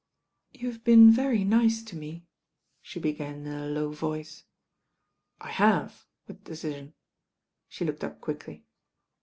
"You've been very nice to me," she began in a low voice. "I have," with decision. She looked up quickly.